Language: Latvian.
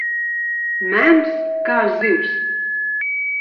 Mēms kā zivs.